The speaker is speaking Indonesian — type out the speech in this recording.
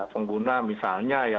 pengguna misalnya ya